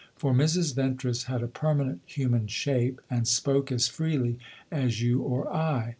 For Mrs. Ventris had a permanent human shape, and spoke as freely as you or I.